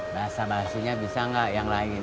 basah basinya bisa gak yang lain